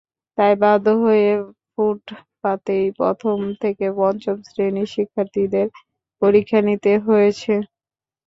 তাই বাধ্য হয়ে ফুটপাতেই প্রথম থেকে পঞ্চম শ্রেণির শিক্ষার্থীদের পরীক্ষা নিতে হয়েছে।